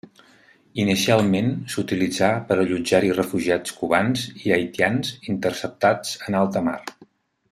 Inicialment s'utilitzà per allotjar-hi refugiats cubans i haitians interceptats en alta mar.